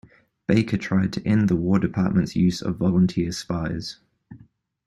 Baker tried to end the War Department's use of volunteer spies.